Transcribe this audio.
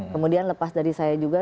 kemudian lepas dari saya juga